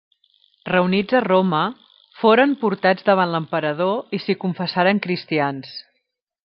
Reunits a Roma, foren portats davant l'emperador i s'hi confessaren cristians.